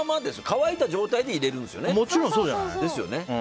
乾いた状態で入れるんですよね。